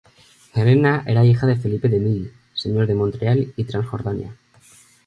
Helena era hija de Felipe de Milly, señor de Montreal y Transjordania.